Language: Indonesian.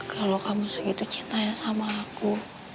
kalau kamu segitu cintanya sama aku